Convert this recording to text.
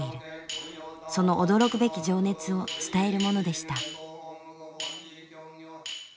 その驚くべき情熱を伝えるものでした。